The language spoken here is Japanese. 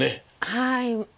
はい。